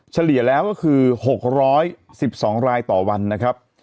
เฉลี่ยแล้วก็คือ๖๑๒รายต่อวันนะครับ